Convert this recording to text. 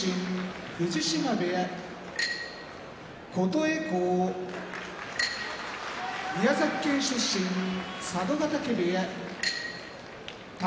藤島部屋琴恵光宮崎県出身佐渡ヶ嶽部屋宝